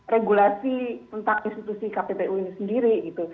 regulasi tentang institusi kppu ini sendiri gitu